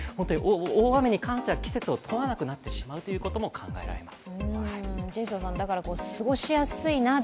大雨に関しては季節を問わなくなってしまうことも考えられます。